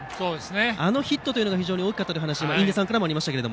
あのヒットが非常に大きかったという話が印出さんからもありましたが。